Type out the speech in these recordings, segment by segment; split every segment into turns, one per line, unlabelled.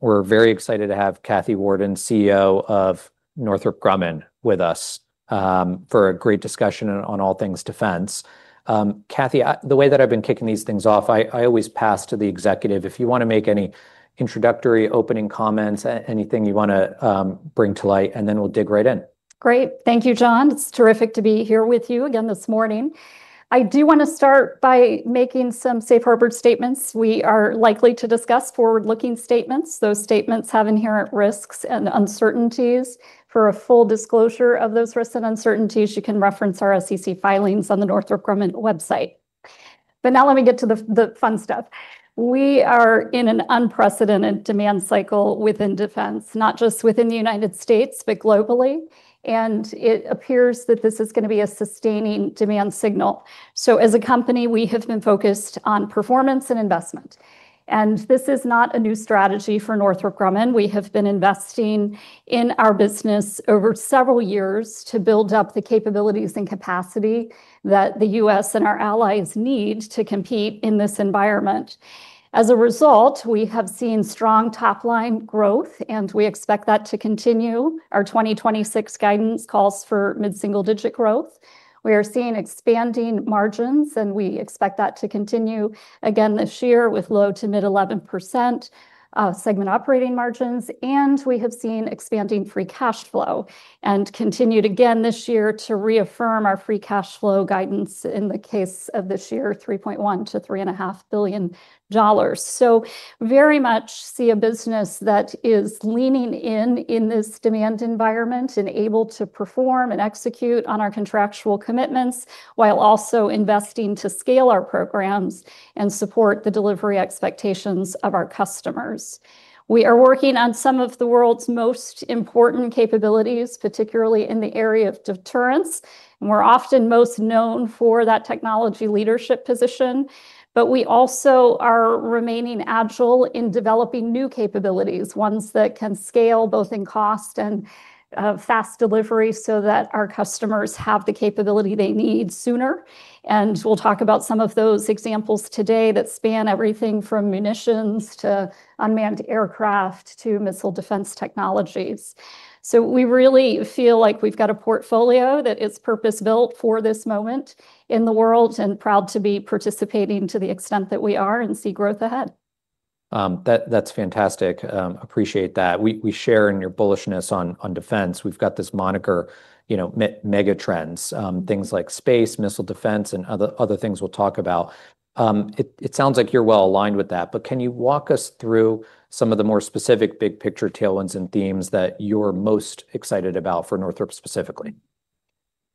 We're very excited to have Kathy Warden, CEO of Northrop Grumman, with us for a great discussion on all things defense. Kathy, the way that I've been kicking these things off, I always pass to the executive. If you wanna make any introductory opening comments, anything you wanna bring to light, and then we'll dig right in.
Great. Thank you, John. It's terrific to be here with you again this morning. I do wanna start by making some safe harbor statements. We are likely to discuss forward-looking statements. Those statements have inherent risks and uncertainties. For a full disclosure of those risks and uncertainties, you can reference our SEC filings on the Northrop Grumman website. But now let me get to the fun stuff. We are in an unprecedented demand cycle within defense, not just within the United States, but globally, and it appears that this is gonna be a sustaining demand signal. So as a company, we have been focused on performance and investment, and this is not a new strategy for Northrop Grumman. We have been investing in our business over several years to build up the capabilities and capacity that the U.S. and our allies need to compete in this environment. As a result, we have seen strong top-line growth, and we expect that to continue. Our 2026 guidance calls for mid-single-digit growth. We are seeing expanding margins, and we expect that to continue again this year with low- to mid-11%, segment operating margins. And we have seen expanding free cash flow, and continued again this year to reaffirm our free cash flow guidance, in the case of this year, $3.1 billion-$3.5 billion. So very much see a business that is leaning in, in this demand environment and able to perform and execute on our contractual commitments, while also investing to scale our programs and support the delivery expectations of our customers. We are working on some of the world's most important capabilities, particularly in the area of deterrence, and we're often most known for that technology leadership position. But we also are remaining agile in developing new capabilities, ones that can scale both in cost and fast delivery, so that our customers have the capability they need sooner. And we'll talk about some of those examples today that span everything from munitions to unmanned aircraft to missile defense technologies. So we really feel like we've got a portfolio that is purpose-built for this moment in the world, and proud to be participating to the extent that we are and see growth ahead.
That's fantastic. Appreciate that. We share in your bullishness on defense. We've got this moniker, you know, megatrends, things like space, missile defense, and other things we'll talk about. It sounds like you're well aligned with that, but can you walk us through some of the more specific big picture tailwinds and themes that you're most excited about for Northrop specifically?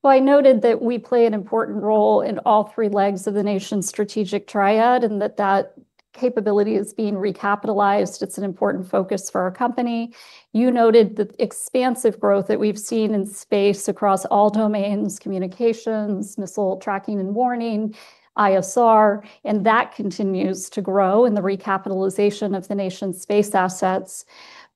Well, I noted that we play an important role in all three legs of the nation's strategic triad, and that that capability is being recapitalized. It's an important focus for our company. You noted the expansive growth that we've seen in space across all domains: communications, missile tracking and warning, ISR, and that continues to grow in the recapitalization of the nation's space assets.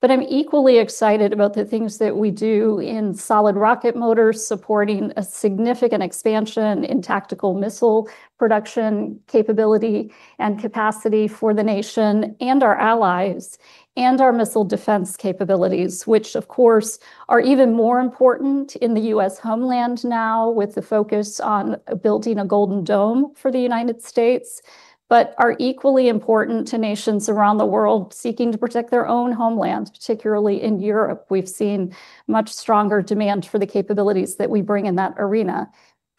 But I'm equally excited about the things that we do in solid rocket motors, supporting a significant expansion in tactical missile production capability and capacity for the nation and our allies, and our missile defense capabilities. Which, of course, are even more important in the U.S. homeland now, with the focus on building a Golden Dome for the United States, but are equally important to nations around the world seeking to protect their own homeland, particularly in Europe. We've seen much stronger demand for the capabilities that we bring in that arena,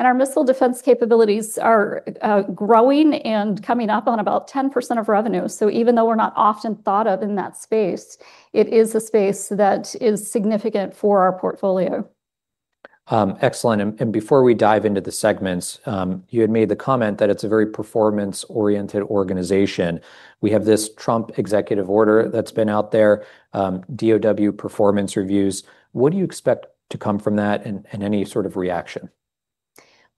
and our missile defense capabilities are, growing and coming up on about 10% of revenue. So even though we're not often thought of in that space, it is a space that is significant for our portfolio.
Excellent. And before we dive into the segments, you had made the comment that it's a very performance-oriented organization. We have this Trump executive order that's been out there, DoD performance reviews. What do you expect to come from that, and any sort of reaction?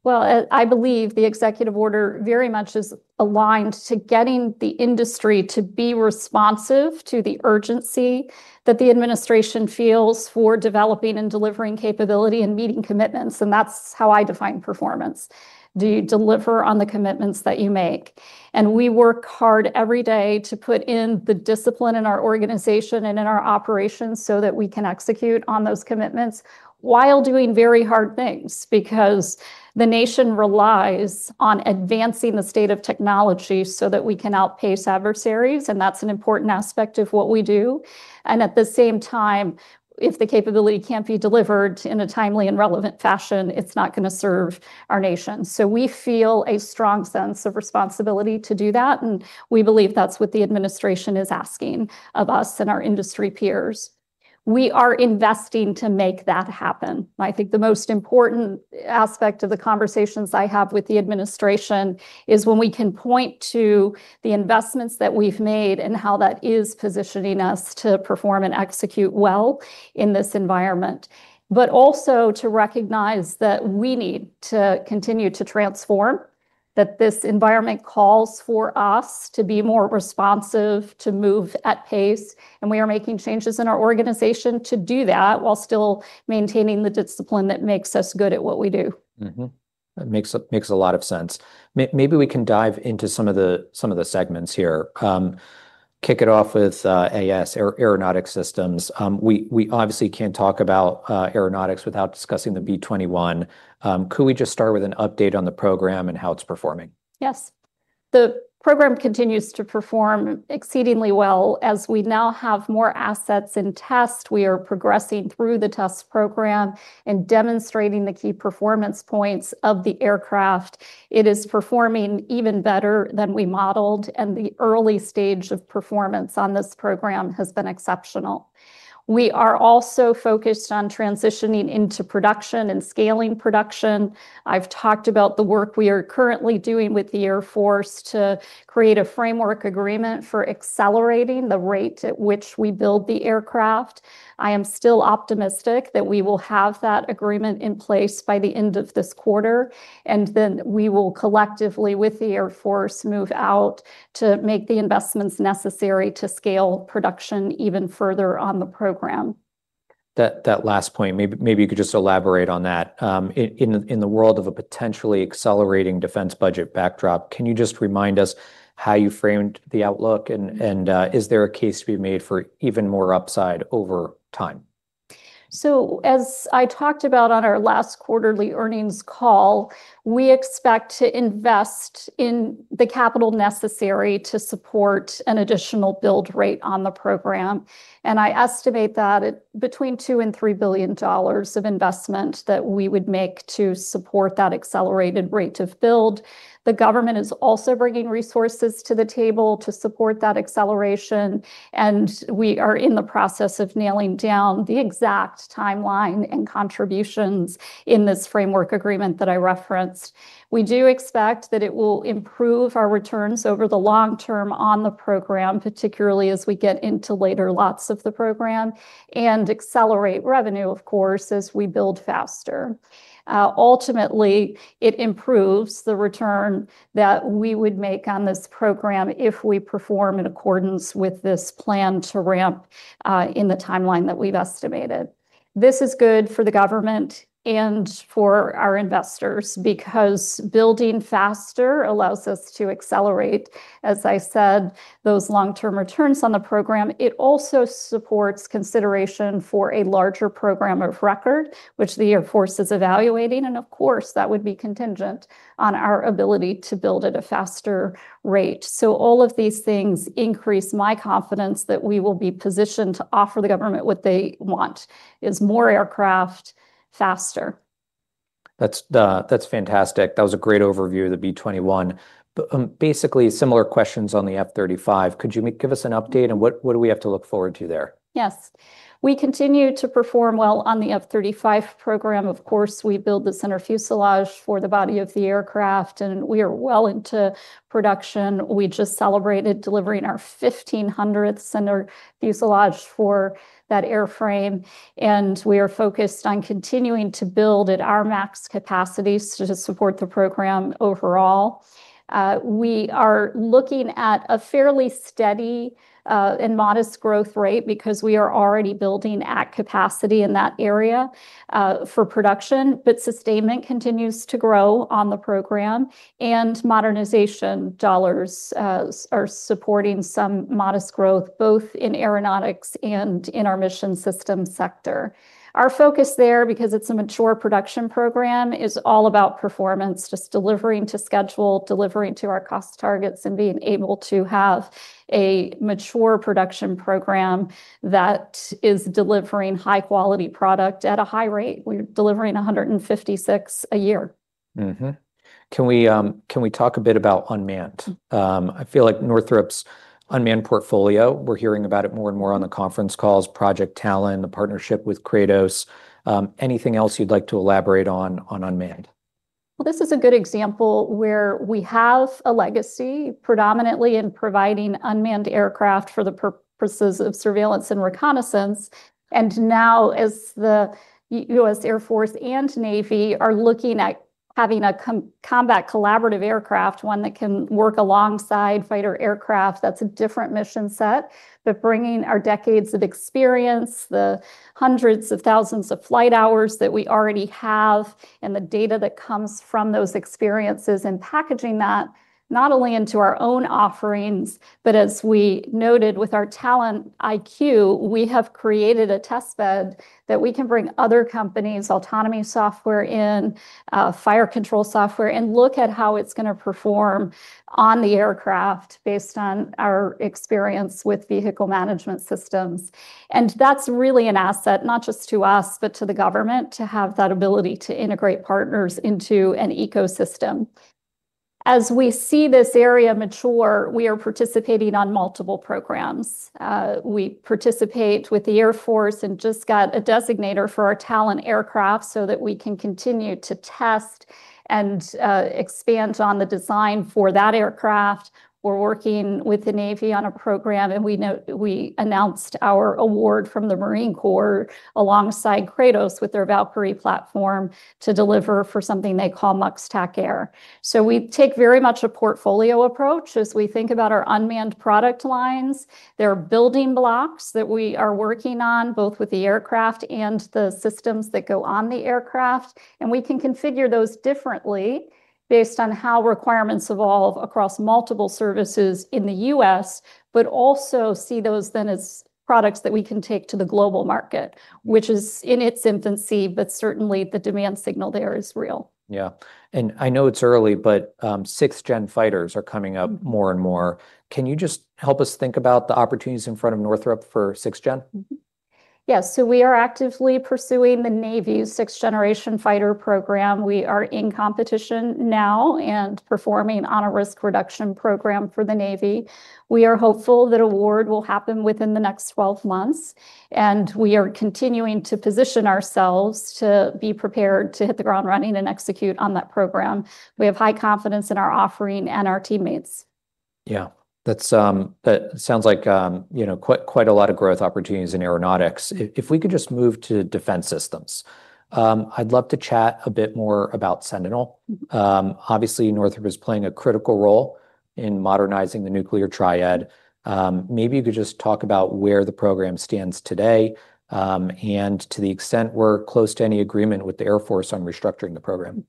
Well, I believe the executive order very much is aligned to getting the industry to be responsive to the urgency that the administration feels for developing and delivering capability and meeting commitments, and that's how I define performance. Do you deliver on the commitments that you make? We work hard every day to put in the discipline in our organization and in our operations so that we can execute on those commitments while doing very hard things, because the nation relies on advancing the state of technology so that we can outpace adversaries, and that's an important aspect of what we do. At the same time, if the capability can't be delivered in a timely and relevant fashion, it's not gonna serve our nation. So we feel a strong sense of responsibility to do that, and we believe that's what the administration is asking of us and our industry peers. We are investing to make that happen. I think the most important aspect of the conversations I have with the administration is when we can point to the investments that we've made and how that is positioning us to perform and execute well in this environment. But also to recognize that we need to continue to transform, that this environment calls for us to be more responsive, to move at pace, and we are making changes in our organization to do that, while still maintaining the discipline that makes us good at what we do.
Mm-hmm. That makes a lot of sense. Maybe we can dive into some of the segments here. Kick it off with AS, Aeronautics Systems. We obviously can't talk about Aeronautics without discussing the B-21. Could we just start with an update on the program and how it's performing?
Yes. The program continues to perform exceedingly well. As we now have more assets in test, we are progressing through the test program and demonstrating the key performance points of the aircraft. It is performing even better than we modeled, and the early stage of performance on this program has been exceptional. We are also focused on transitioning into production and scaling production. I've talked about the work we are currently doing with the Air Force to create a framework agreement for accelerating the rate at which we build the aircraft. I am still optimistic that we will have that agreement in place by the end of this quarter, and then we will collectively, with the Air Force, move out to make the investments necessary to scale production even further on the program.
That, that last point, maybe, maybe you could just elaborate on that. In the world of a potentially accelerating defense budget backdrop, can you just remind us how you framed the outlook? And is there a case to be made for even more upside over time?
So as I talked about on our last quarterly earnings call, we expect to invest in the capital necessary to support an additional build rate on the program, and I estimate that at between $2 billion-$3 billion of investment that we would make to support that accelerated rate of build. The government is also bringing resources to the table to support that acceleration, and we are in the process of nailing down the exact timeline and contributions in this framework agreement that I referenced. We do expect that it will improve our returns over the long term on the program, particularly as we get into later lots of the program, and accelerate revenue, of course, as we build faster. Ultimately, it improves the return that we would make on this program if we perform in accordance with this plan to ramp in the timeline that we've estimated. This is good for the government and for our investors because building faster allows us to accelerate, as I said, those long-term returns on the program. It also supports consideration for a larger program of record, which the Air Force is evaluating, and of course, that would be contingent on our ability to build at a faster rate. All of these things increase my confidence that we will be positioned to offer the government what they want, is more aircraft faster.
That's, that's fantastic. That was a great overview of the B-21. But, basically, similar questions on the F-35. Could you give us an update, and what do we have to look forward to there?
Yes. We continue to perform well on the F-35 program. Of course, we build the center fuselage for the body of the aircraft, and we are well into production. We just celebrated delivering our 1,500th center fuselage for that airframe, and we are focused on continuing to build at our max capacity to support the program overall. We are looking at a fairly steady and modest growth rate because we are already building at capacity in that area for production. But sustainment continues to grow on the program, and modernization dollars are supporting some modest growth, both in Aeronautics and in our Mission System sector. Our focus there, because it's a mature production program, is all about performance, just delivering to schedule, delivering to our cost targets, and being able to have a mature production program that is delivering high-quality product at a high rate. We're delivering 156 a year.
Mm-hmm. Can we, can we talk a bit about unmanned? I feel like Northrop's unmanned portfolio, we're hearing about it more and more on the conference calls, Project Talon, the partnership with Kratos. Anything else you'd like to elaborate on, on unmanned?
Well, this is a good example where we have a legacy, predominantly in providing unmanned aircraft for the purposes of surveillance and reconnaissance. And now, as the U.S. Air Force and Navy are looking at having a collaborative combat aircraft, one that can work alongside fighter aircraft, that's a different mission set. But bringing our decades of experience, the hundreds of thousands of flight hours that we already have, and the data that comes from those experiences, and packaging that not only into our own offerings, but as we noted with our Talon IQ, we have created a test bed that we can bring other companies' autonomy software in, fire control software, and look at how it's gonna perform on the aircraft based on our experience with vehicle management systems. That's really an asset, not just to us, but to the government, to have that ability to integrate partners into an ecosystem. As we see this area mature, we are participating on multiple programs. We participate with the Air Force and just got a designator for our Talon aircraft so that we can continue to test and expand on the design for that aircraft. We're working with the Navy on a program, and we announced our award from the Marine Corps alongside Kratos, with their Valkyrie platform, to deliver for something they call MUX TacAir. We take very much a portfolio approach as we think about our unmanned product lines. There are building blocks that we are working on, both with the aircraft and the systems that go on the aircraft, and we can configure those differently based on how requirements evolve across multiple services in the U.S., but also see those then as products that we can take to the global market, which is in its infancy, but certainly the demand signal there is real.
Yeah. And I know it's early, but, sixth gen fighters are coming up more and more. Can you just help us think about the opportunities in front of Northrop for sixth gen?
Mm-hmm. Yeah. So we are actively pursuing the Navy's sixth generation fighter program. We are in competition now and performing on a risk reduction program for the Navy. We are hopeful that award will happen within the next 12 months, and we are continuing to position ourselves to be prepared to hit the ground running and execute on that program. We have high confidence in our offering and our teammates.
Yeah, that's that sounds like, you know, quite a lot of growth opportunities in Aeronautics. If we could just move to defense systems. I'd love to chat a bit more about Sentinel. Obviously, Northrop is playing a critical role in modernizing the nuclear triad. Maybe you could just talk about where the program stands today, and to the extent we're close to any agreement with the Air Force on restructuring the program.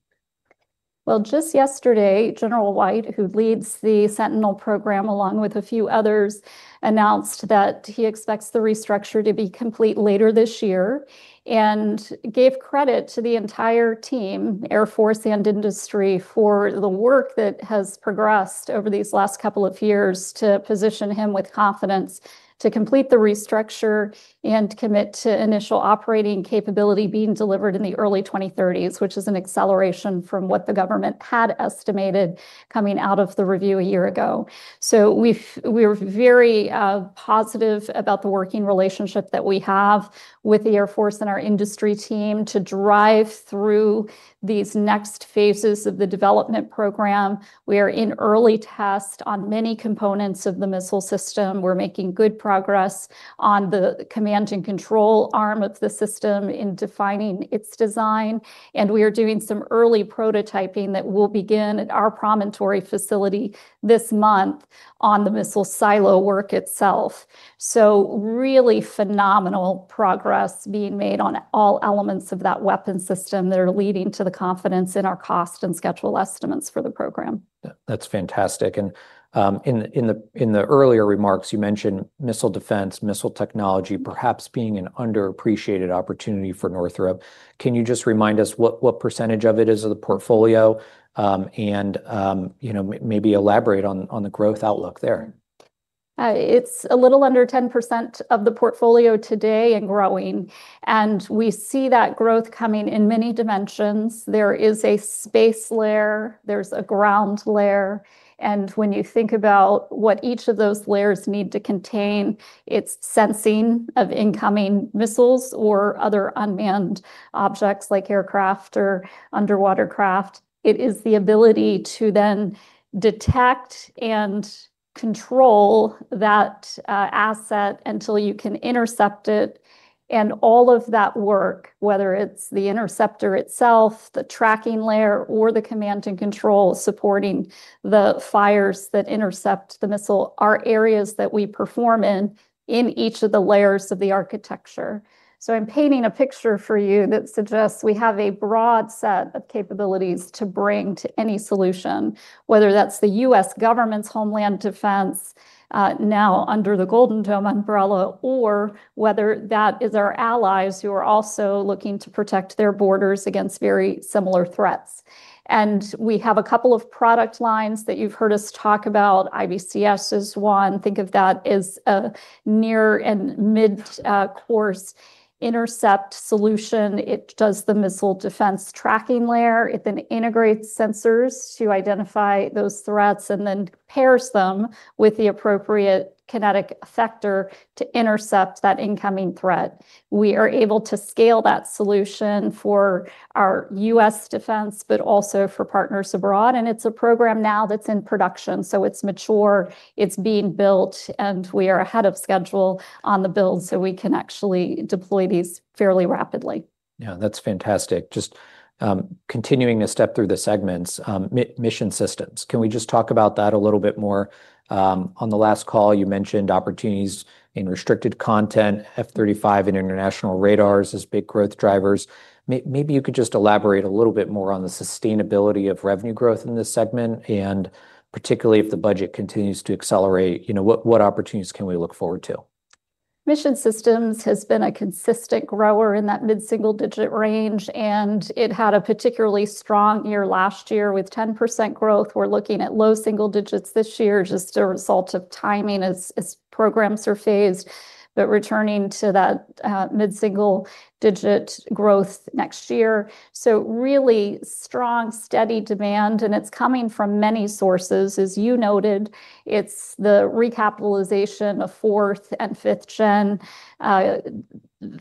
Well, just yesterday, General White, who leads the Sentinel program, along with a few others, announced that he expects the restructure to be complete later this year, and gave credit to the entire team, Air Force and industry, for the work that has progressed over these last couple of years to position him with confidence to complete the restructure and commit to initial operating capability being delivered in the early 2030s, which is an acceleration from what the government had estimated coming out of the review a year ago. So we're very positive about the working relationship that we have with the Air Force and our industry team to drive through these next phases of the development program. We are in early test on many components of the missile system. We're making good progress on the command and control arm of the system in defining its design, and we are doing some early prototyping that will begin at our Promontory facility this month on the missile silo work itself. So really phenomenal progress being made on all elements of that weapon system that are leading to the confidence in our cost and schedule estimates for the program.
Yeah, that's fantastic. And in the earlier remarks, you mentioned missile defense, missile technology, perhaps being an underappreciated opportunity for Northrop. Can you just remind us what percentage of it is of the portfolio? And you know, maybe elaborate on the growth outlook there.
It's a little under 10% of the portfolio today and growing, and we see that growth coming in many dimensions. There is a space layer, there's a ground layer, and when you think about what each of those layers need to contain, it's sensing of incoming missiles or other unmanned objects, like aircraft or underwater craft. It is the ability to then detect and control that asset until you can intercept it. And all of that work, whether it's the interceptor itself, the tracking layer or the command and control, supporting the fires that intercept the missile, are areas that we perform in each of the layers of the architecture. So I'm painting a picture for you that suggests we have a broad set of capabilities to bring to any solution, whether that's the U.S. government's homeland defense, now under the Golden Dome umbrella, or whether that is our allies who are also looking to protect their borders against very similar threats. We have a couple of product lines that you've heard us talk about. IBCS is one. Think of that as a near and mid course intercept solution. It does the missile defense tracking layer. It then integrates sensors to identify those threats and then pairs them with the appropriate kinetic effector to intercept that incoming threat. We are able to scale that solution for our U.S. defense, but also for partners abroad, and it's a program now that's in production, so it's mature, it's being built, and we are ahead of schedule on the build, so we can actually deploy these fairly rapidly.
Yeah, that's fantastic. Just, continuing to step through the segments, Mission Systems. Can we just talk about that a little bit more? On the last call, you mentioned opportunities in restricted content, F-35 and international radars as big growth drivers. Maybe you could just elaborate a little bit more on the sustainability of revenue growth in this segment, and particularly if the budget continues to accelerate, you know, what, what opportunities can we look forward to?
Mission Systems has been a consistent grower in that mid-single-digit range, and it had a particularly strong year last year with 10% growth. We're looking at low single digits this year, just a result of timing as programs are phased, but returning to that mid-single digit growth next year. So really strong, steady demand, and it's coming from many sources. As you noted, it's the recapitalization of fourth and fifth gen, but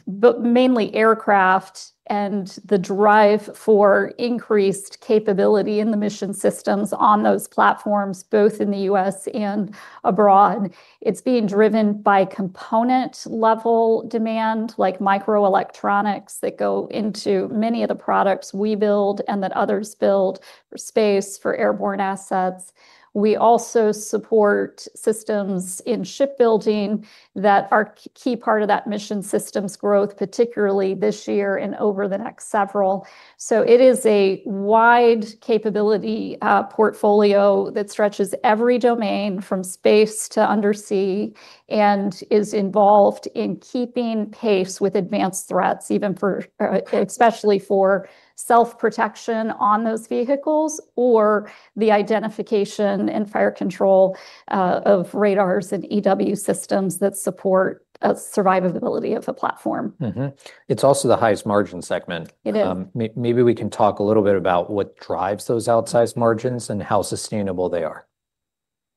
mainly aircraft and the drive for increased capability in the Mission Systems on those platforms, both in the U.S. and abroad. It's being driven by component-level demand, like microelectronics, that go into many of the products we build and that others build, for space, for airborne assets. We also support systems in shipbuilding that are key part of that Mission Systems growth, particularly this year and over the next several. It is a wide capability, portfolio that stretches every domain, from space to undersea, and is involved in keeping pace with advanced threats, even for, especially for self-protection on those vehicles, or the identification and fire control, of radars and EW systems that support, survivability of the platform.
Mm-hmm. It's also the highest margin segment.
It is.
Maybe we can talk a little bit about what drives those outsized margins and how sustainable they are. ...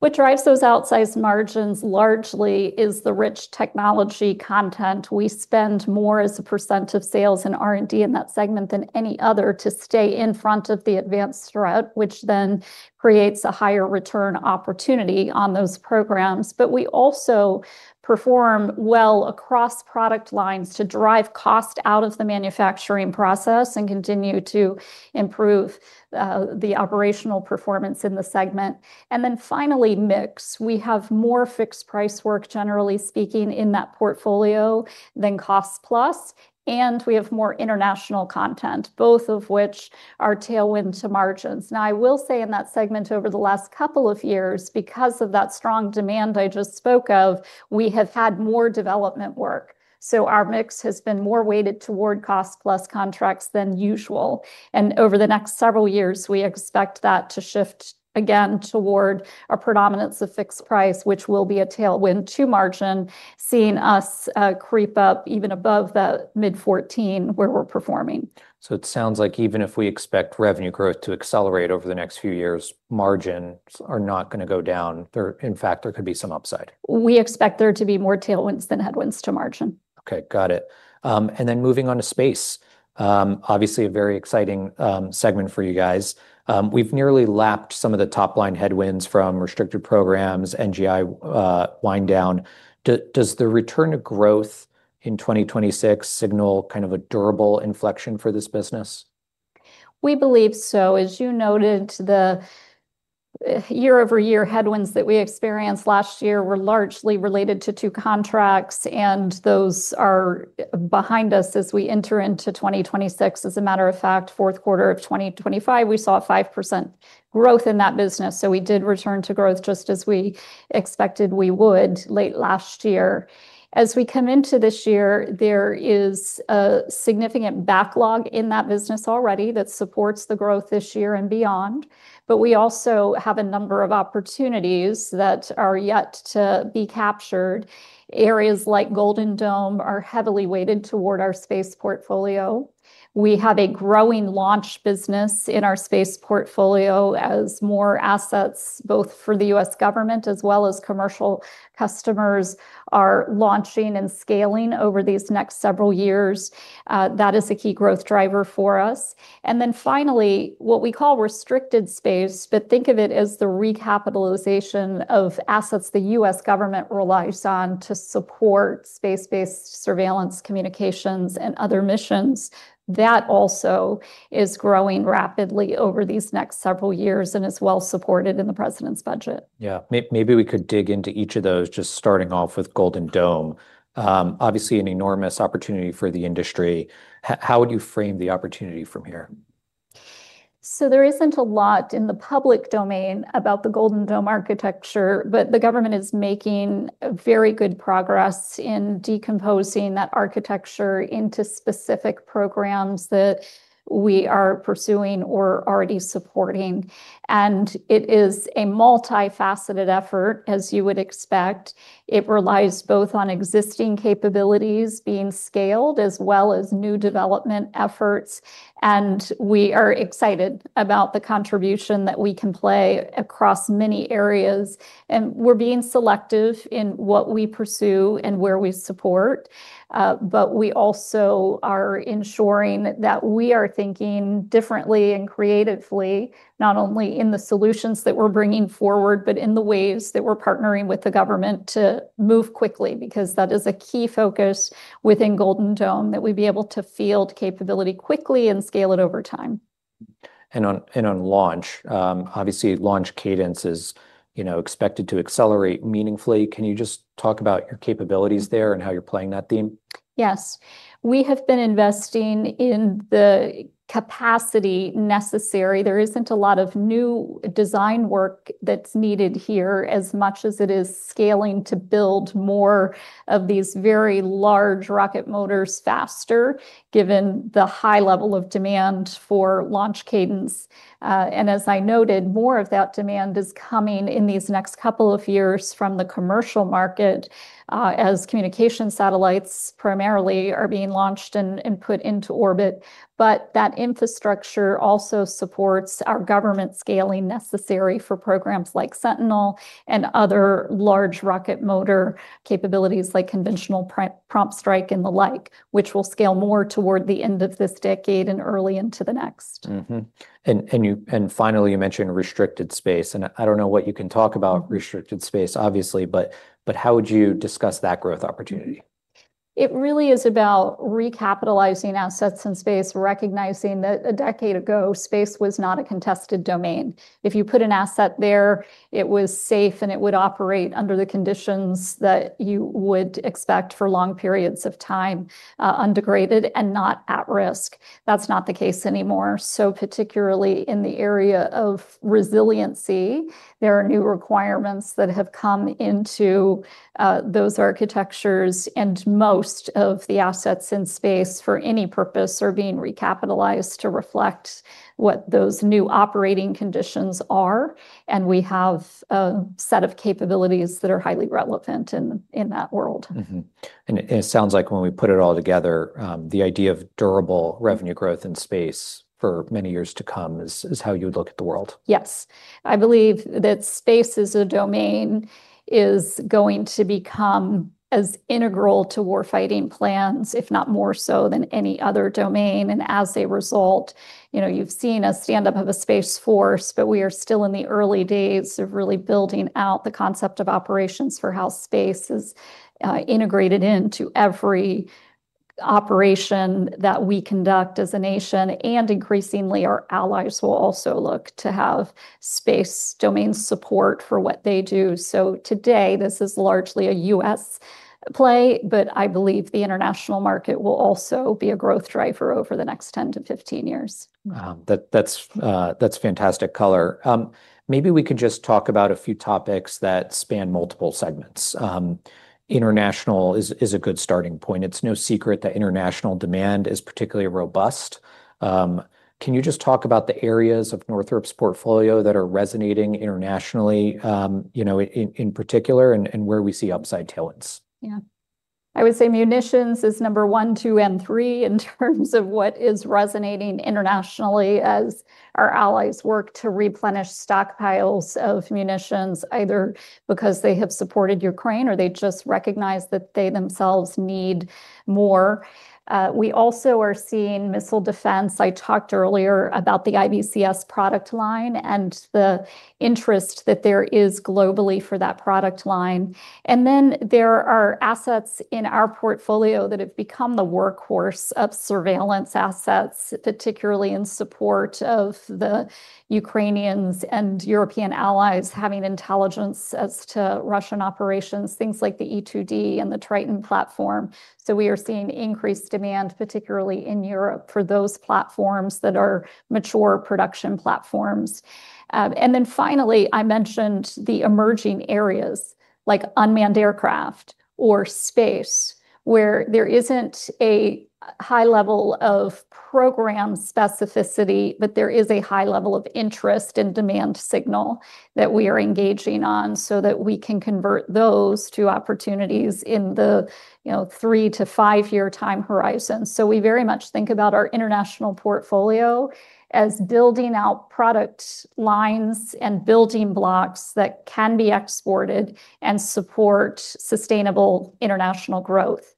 What drives those outsized margins largely is the rich technology content. We spend more as a percent of sales in R&D in that segment than any other to stay in front of the advanced threat, which then creates a higher return opportunity on those programs. But we also perform well across product lines to drive cost out of the manufacturing process and continue to improve the operational performance in the segment. And then finally, mix. We have more fixed price work, generally speaking, in that portfolio than cost plus, and we have more international content, both of which are tailwind to margins. Now, I will say in that segment, over the last couple of years, because of that strong demand I just spoke of, we have had more development work, so our mix has been more weighted toward cost-plus contracts than usual. Over the next several years, we expect that to shift again toward a predominance of fixed price, which will be a tailwind to margin, seeing us creep up even above the mid-14, where we're performing.
So it sounds like even if we expect revenue growth to accelerate over the next few years, margins are not gonna go down. In fact, there could be some upside.
We expect there to be more tailwinds than headwinds to margin.
Okay, got it. And then moving on to space, obviously, a very exciting segment for you guys. We've nearly lapped some of the top-line headwinds from restricted programs, NGI wind down. Does the return to growth in 2026 signal kind of a durable inflection for this business?
We believe so. As you noted, year-over-year headwinds that we experienced last year were largely related to two contracts, and those are behind us as we enter into 2026. As a matter of fact, fourth quarter of 2025, we saw a 5% growth in that business, so we did return to growth just as we expected we would late last year. As we come into this year, there is a significant backlog in that business already that supports the growth this year and beyond, but we also have a number of opportunities that are yet to be captured. Areas like Golden Dome are heavily weighted toward our space portfolio. We have a growing launch business in our space portfolio as more assets, both for the U.S. government as well as commercial customers, are launching and scaling over these next several years. That is a key growth driver for us. Then finally, what we call restricted space, but think of it as the recapitalization of assets the U.S. government relies on to support space-based surveillance, communications, and other missions. That also is growing rapidly over these next several years and is well supported in the president's budget.
Yeah. Maybe we could dig into each of those, just starting off with Golden Dome. Obviously, an enormous opportunity for the industry. How would you frame the opportunity from here?
So there isn't a lot in the public domain about the Golden Dome architecture, but the government is making very good progress in decomposing that architecture into specific programs that we are pursuing or already supporting. It is a multifaceted effort, as you would expect. It relies both on existing capabilities being scaled as well as new development efforts, and we are excited about the contribution that we can play across many areas. We're being selective in what we pursue and where we support, but we also are ensuring that we are thinking differently and creatively, not only in the solutions that we're bringing forward, but in the ways that we're partnering with the government to move quickly, because that is a key focus within Golden Dome, that we be able to field capability quickly and scale it over time.
And on launch, obviously, launch cadence is, you know, expected to accelerate meaningfully. Can you just talk about your capabilities there and how you're playing that theme?
Yes. We have been investing in the capacity necessary. There isn't a lot of new design work that's needed here, as much as it is scaling to build more of these very large rocket motors faster, given the high level of demand for launch cadence. And as I noted, more of that demand is coming in these next couple of years from the commercial market, as communication satellites primarily are being launched and put into orbit. But that infrastructure also supports our government scaling necessary for programs like Sentinel and other large rocket motor capabilities like conventional prompt strike and the like, which will scale more toward the end of this decade and early into the next.
Mm-hmm. And finally, you mentioned restricted space, and I don't know what you can talk about restricted space, obviously, but how would you discuss that growth opportunity?
It really is about recapitalizing assets in space, recognizing that a decade ago, space was not a contested domain. If you put an asset there, it was safe, and it would operate under the conditions that you would expect for long periods of time, undegraded and not at risk. That's not the case anymore. So particularly in the area of resiliency, there are new requirements that have come into those architectures, and most of the assets in space for any purpose are being recapitalized to reflect what those new operating conditions are, and we have a set of capabilities that are highly relevant in, in that world.
Mm-hmm. And it sounds like when we put it all together, the idea of durable revenue growth in space for many years to come is how you would look at the world.
Yes. I believe that space as a domain is going to become as integral to war fighting plans, if not more so, than any other domain. And as a result, you know, you've seen a stand-up of a Space Force, but we are still in the early days of really building out the concept of operations for how space is integrated into every operation that we conduct as a nation, and increasingly, our allies will also look to have space domain support for what they do. So today, this is largely a U.S. play, but I believe the international market will also be a growth driver over the next 10-15 years.
That's fantastic color. Maybe we can just talk about a few topics that span multiple segments. International is a good starting point. It's no secret that international demand is particularly robust. Can you just talk about the areas of Northrop's portfolio that are resonating internationally, you know, in particular, and where we see upside tailwinds?
Yeah. I would say munitions is number one, two, and three in terms of what is resonating internationally as our allies work to replenish stockpiles of munitions, either because they have supported Ukraine or they just recognize that they themselves need more. We also are seeing missile defense. I talked earlier about the IBCS product line and the interest that there is globally for that product line. And then there are assets in our portfolio that have become the workhorse of surveillance assets, particularly in support of the Ukrainians and European allies having intelligence as to Russian operations, things like the E-2D and the Triton platform. So we are seeing increased demand, particularly in Europe, for those platforms that are mature production platforms. And then finally, I mentioned the emerging areas, like unmanned aircraft or space, where there isn't a high level of program specificity, but there is a high level of interest and demand signal that we are engaging on, so that we can convert those to opportunities in the, you know, 3- to 5-year time horizon. So we very much think about our international portfolio as building out product lines and building blocks that can be exported and support sustainable international growth.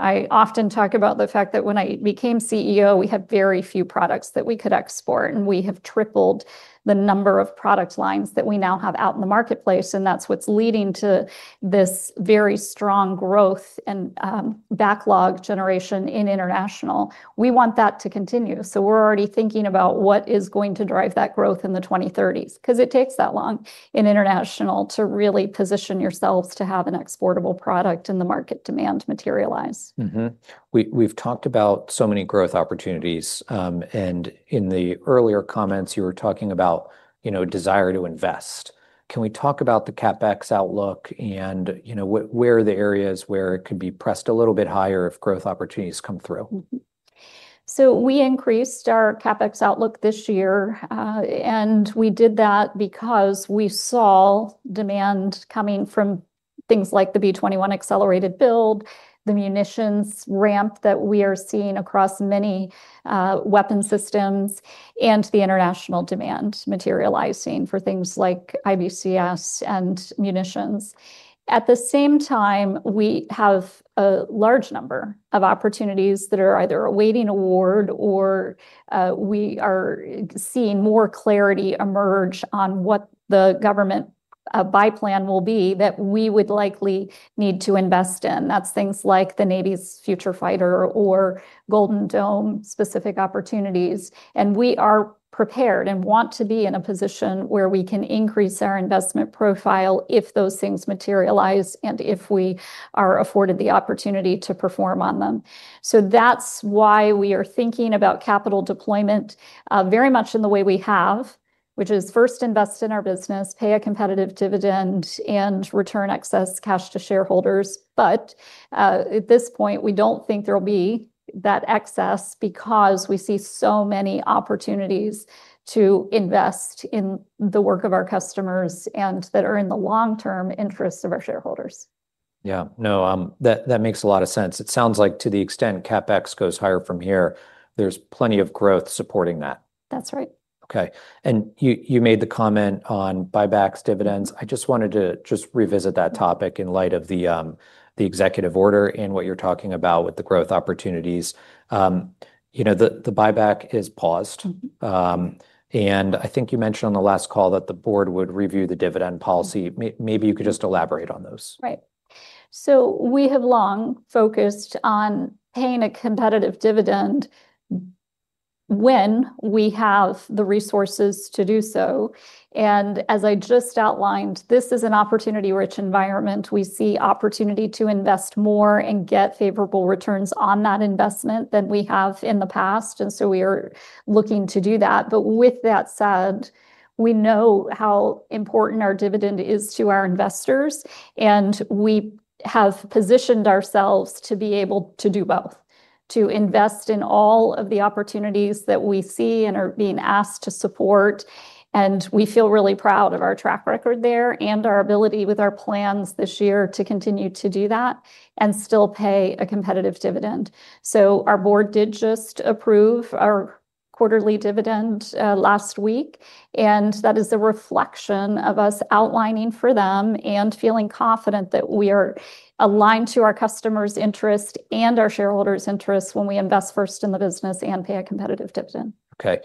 I often talk about the fact that when I became CEO, we had very few products that we could export, and we have tripled the number of product lines that we now have out in the marketplace, and that's what's leading to this very strong growth and, backlog generation in international. We want that to continue, so we're already thinking about what is going to drive that growth in the 2030s. 'Cause it takes that long in international to really position yourselves to have an exportable product and the market demand materialize.
Mm-hmm. We, we've talked about so many growth opportunities, and in the earlier comments, you were talking about, you know, desire to invest. Can we talk about the CapEx outlook and, you know, where are the areas where it could be pressed a little bit higher if growth opportunities come through?
Mm-hmm. So we increased our CapEx outlook this year, and we did that because we saw demand coming from things like the B-21 accelerated build, the munitions ramp that we are seeing across many weapon systems, and the international demand materializing for things like IBCS and munitions. At the same time, we have a large number of opportunities that are either awaiting award or we are seeing more clarity emerge on what the government buy plan will be that we would likely need to invest in. That's things like the Navy's Future Fighter or Golden Dome-specific opportunities. And we are prepared and want to be in a position where we can increase our investment profile if those things materialize and if we are afforded the opportunity to perform on them. So that's why we are thinking about capital deployment, very much in the way we have, which is first, invest in our business, pay a competitive dividend, and return excess cash to shareholders. But, at this point, we don't think there will be that excess because we see so many opportunities to invest in the work of our customers and that are in the long-term interests of our shareholders.
Yeah. No, that makes a lot of sense. It sounds like to the extent CapEx goes higher from here, there's plenty of growth supporting that.
That's right.
Okay. And you made the comment on buybacks, dividends. I just wanted to just revisit that topic in light of the executive order and what you're talking about with the growth opportunities. You know, the buyback is paused.
Mm-hmm.
I think you mentioned on the last call that the board would review the dividend policy.
Mm-hmm.
Maybe you could just elaborate on those.
Right. So we have long focused on paying a competitive dividend when we have the resources to do so. As I just outlined, this is an opportunity-rich environment. We see opportunity to invest more and get favorable returns on that investment than we have in the past, and so we are looking to do that. With that said, we know how important our dividend is to our investors, and we have positioned ourselves to be able to do both, to invest in all of the opportunities that we see and are being asked to support, and we feel really proud of our track record there and our ability with our plans this year to continue to do that and still pay a competitive dividend. Our board did just approve our quarterly dividend last week, and that is a reflection of us outlining for them and feeling confident that we are aligned to our customers' interest and our shareholders' interests when we invest first in the business and pay a competitive dividend.
Okay.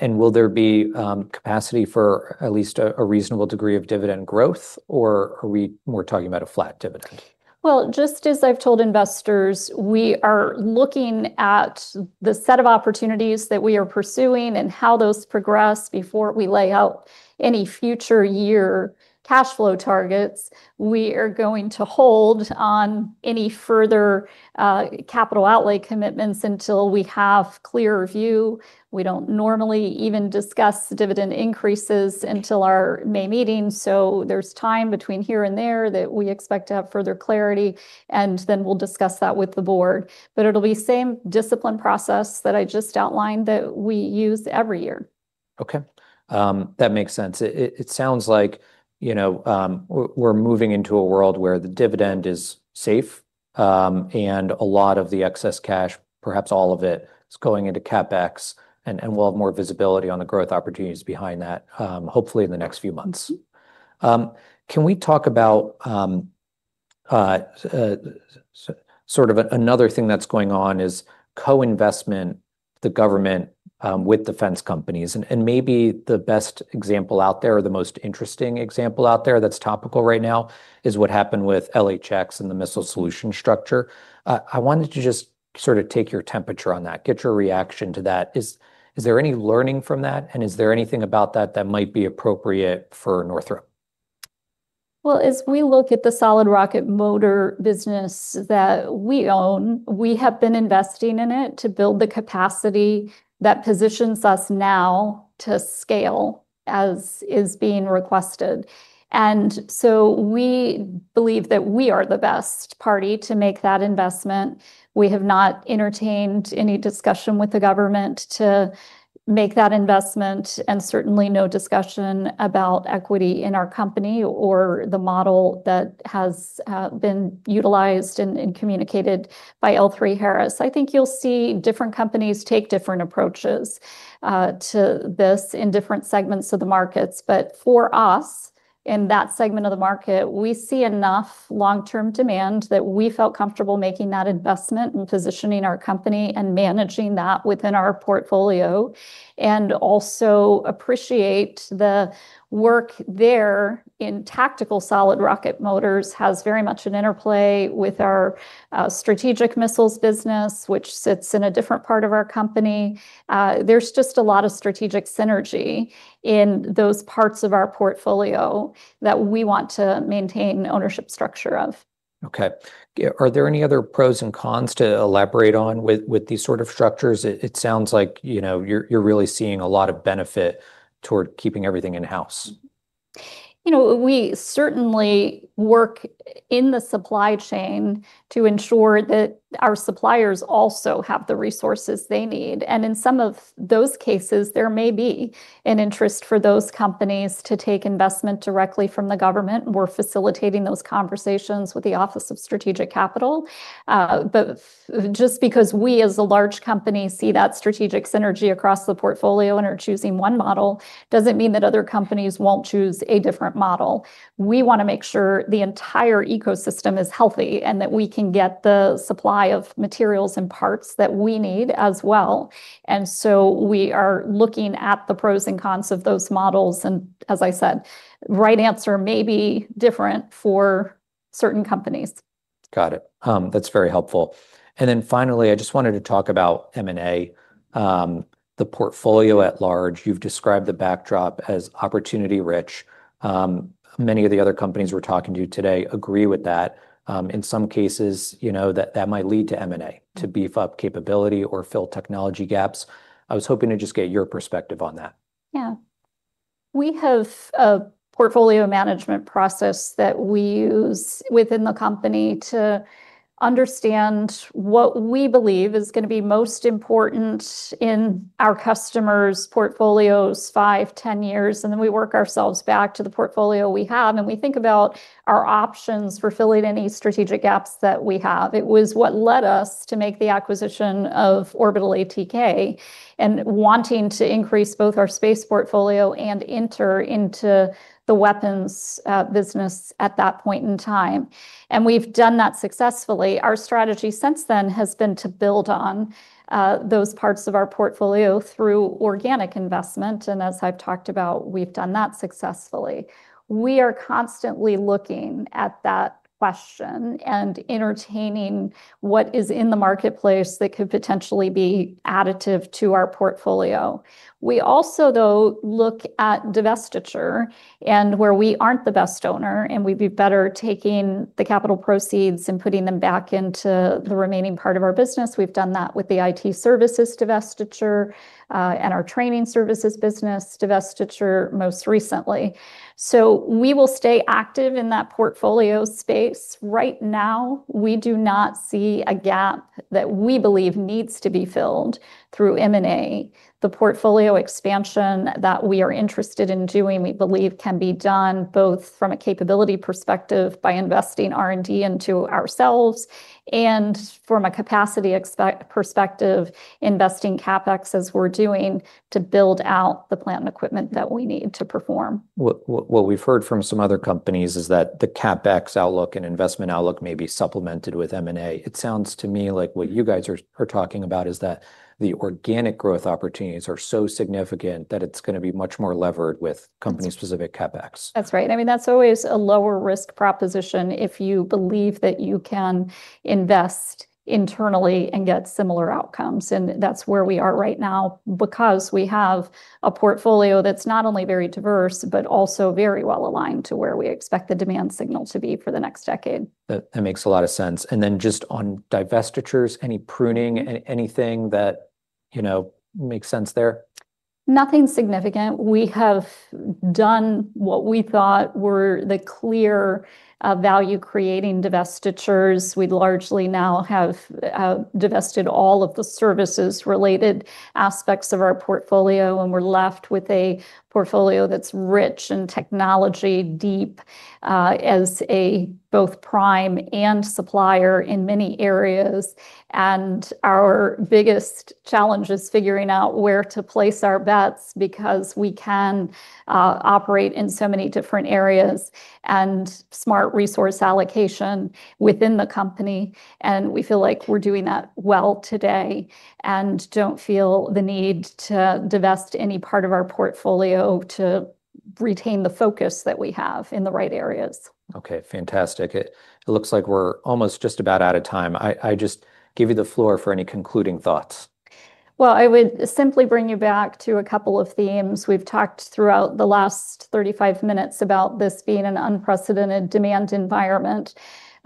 Will there be capacity for at least a reasonable degree of dividend growth, or are we more talking about a flat dividend?...
Well, just as I've told investors, we are looking at the set of opportunities that we are pursuing and how those progress before we lay out any future year cash flow targets. We are going to hold on any further capital outlay commitments until we have clearer view. We don't normally even discuss dividend increases until our May meeting, so there's time between here and there that we expect to have further clarity, and then we'll discuss that with the board. But it'll be same discipline process that I just outlined that we use every year.
Okay. That makes sense. It sounds like, you know, we're moving into a world where the dividend is safe, and a lot of the excess cash, perhaps all of it, is going into CapEx, and we'll have more visibility on the growth opportunities behind that, hopefully in the next few months. Can we talk about sort of another thing that's going on is co-investment, the government with defense companies? Maybe the best example out there, or the most interesting example out there that's topical right now, is what happened with LHX and the missile solution structure. I wanted to just sort of take your temperature on that, get your reaction to that. Is there any learning from that, and is there anything about that that might be appropriate for Northrop?
Well, as we look at the solid rocket motor business that we own, we have been investing in it to build the capacity that positions us now to scale as is being requested. And so we believe that we are the best party to make that investment. We have not entertained any discussion with the government to make that investment, and certainly no discussion about equity in our company or the model that has been utilized and communicated by L3Harris. I think you'll see different companies take different approaches to this in different segments of the markets. For us, in that segment of the market, we see enough long-term demand that we felt comfortable making that investment and positioning our company and managing that within our portfolio, and also appreciate the work there in tactical solid rocket motors has very much an interplay with our strategic missiles business, which sits in a different part of our company. There's just a lot of strategic synergy in those parts of our portfolio that we want to maintain ownership structure of.
Okay. Are there any other pros and cons to elaborate on with these sort of structures? It sounds like, you know, you're really seeing a lot of benefit toward keeping everything in-house.
You know, we certainly work in the supply chain to ensure that our suppliers also have the resources they need, and in some of those cases, there may be an interest for those companies to take investment directly from the government. We're facilitating those conversations with the Office of Strategic Capital. But just because we as a large company see that strategic synergy across the portfolio and are choosing one model, doesn't mean that other companies won't choose a different model. We wanna make sure the entire ecosystem is healthy, and that we can get the supply of materials and parts that we need as well. And so we are looking at the pros and cons of those models, and as I said, right answer may be different for certain companies.
Got it. That's very helpful. And then finally, I just wanted to talk about M&A. The portfolio at large, you've described the backdrop as opportunity-rich. Many of the other companies we're talking to today agree with that. In some cases, you know, that might lead to M&A, to beef up capability or fill technology gaps. I was hoping to just get your perspective on that.
Yeah. We have a portfolio management process that we use within the company to understand what we believe is gonna be most important in our customers' portfolios, 5, 10 years, and then we work ourselves back to the portfolio we have, and we think about our options for filling any strategic gaps that we have. It was what led us to make the acquisition of Orbital ATK, and wanting to increase both our space portfolio and enter into the weapons business at that point in time, and we've done that successfully. Our strategy since then has been to build on those parts of our portfolio through organic investment, and as I've talked about, we've done that successfully. We are constantly looking at that question and entertaining what is in the marketplace that could potentially be additive to our portfolio. We also, though, look at divestiture, and where we aren't the best owner, and we'd be better taking the capital proceeds and putting them back into the remaining part of our business. We've done that with the IT services divestiture, and our training services business divestiture most recently. So we will stay active in that portfolio space. Right now, we do not see a gap that we believe needs to be filled through M&A. The portfolio expansion that we are interested in doing, we believe, can be done both from a capability perspective by investing R&D into ourselves, and from a capacity expansion perspective, investing CapEx as we're doing to build out the plant and equipment that we need to perform.
What we've heard from some other companies is that the CapEx outlook and investment outlook may be supplemented with M&A. It sounds to me like what you guys are talking about is that the organic growth opportunities are so significant, that it's gonna be much more levered with company-specific CapEx.
That's right. I mean, that's always a lower-risk proposition if you believe that you can invest internally and get similar outcomes, and that's where we are right now. Because we have a portfolio that's not only very diverse, but also very well-aligned to where we expect the demand signal to be for the next decade.
That makes a lot of sense. And then just on divestitures, any pruning, anything that, you know, makes sense there?...
Nothing significant. We have done what we thought were the clear, value-creating divestitures. We largely now have divested all of the services-related aspects of our portfolio, and we're left with a portfolio that's rich in technology, deep, as a both prime and supplier in many areas. Our biggest challenge is figuring out where to place our bets, because we can operate in so many different areas, and smart resource allocation within the company, and we feel like we're doing that well today, and don't feel the need to divest any part of our portfolio to retain the focus that we have in the right areas.
Okay, fantastic. It looks like we're almost just about out of time. I just give you the floor for any concluding thoughts.
Well, I would simply bring you back to a couple of themes. We've talked throughout the last 35 minutes about this being an unprecedented demand environment.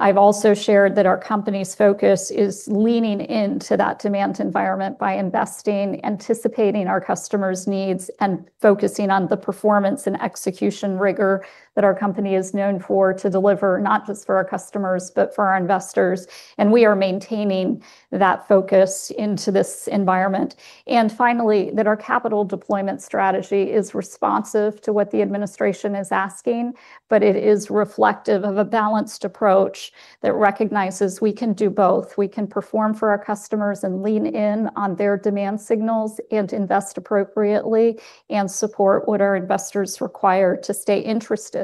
I've also shared that our company's focus is leaning into that demand environment by investing, anticipating our customers' needs, and focusing on the performance and execution rigor that our company is known for to deliver, not just for our customers, but for our investors, and we are maintaining that focus into this environment. And finally, that our capital deployment strategy is responsive to what the administration is asking, but it is reflective of a balanced approach that recognizes we can do both. We can perform for our customers and lean in on their demand signals and invest appropriately and support what our investors require to stay interested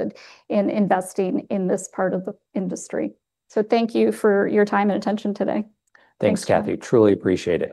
in investing in this part of the industry. So thank you for your time and attention today.
Thanks, Kathy. Truly appreciate it.